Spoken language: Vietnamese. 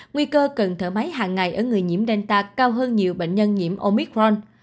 nguy cơ cần thở máy hàng ngày ở người nhiễm delta cao hơn nhiều bệnh nhân nhiễm omicron